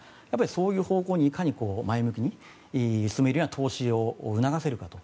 そういう方向にいかに前向きに進めるような投資を促せるかと。